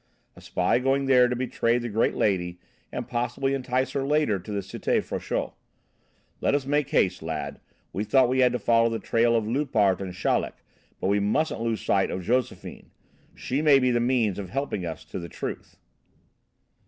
A spy going there to betray the great lady and possibly entice her later to the Cité Frochot. Let us make haste, lad. We thought we had to follow the trail of Loupart and Chaleck, but we mustn't lose sight of Josephine. She may be the means of helping us to the truth."